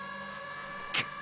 けっ！